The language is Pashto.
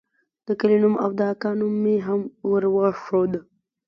د کلي نوم او د اکا نوم مې هم وروښود.